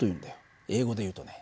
英語でいうとね